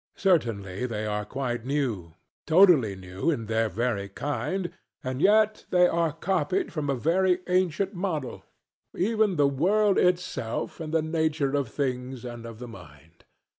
Certainly they are quite new; totally new in their very kind: and yet they are copied from a very ancient model; even the world itself and the nature of things and of the mind.